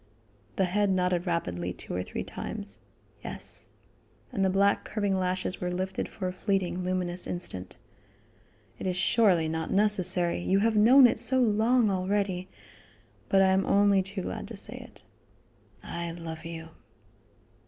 The head nodded rapidly two or three times: "Yes." And the black curving lashes were lifted for a fleeting, luminous instant. "It is surely not necessary; you have known it so long already, but I am only too glad to say it. I love you."